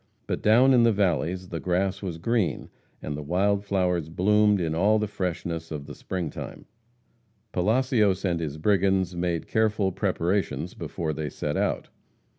But down in the valleys the grass was green, and the wild flowers bloomed in all the freshness of the spring time. Palacios and his brigands made careful preparations before they set out.